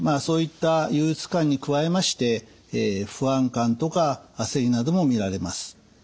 そういった憂うつ感に加えまして不安感とかあせりなども見られます。